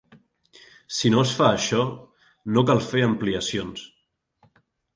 Si no es fa això, no cal fer ampliacions.